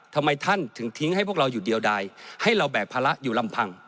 ทำไมท่านถึงทิ้งให้พวกเราอยู่เดียวใดให้เราแบกภาระอยู่ลำพัง